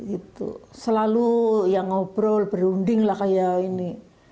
itu selalu ya ngobrol berunding lah kayak ini